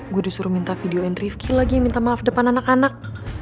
gue disuruh minta videoin rifqi lagi yang minta maaf depan anak anak